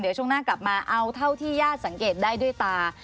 เดี๋ยวช่วงหน้ากลับมาเอาเท่าที่ญาติสังเกตได้ด้วยตา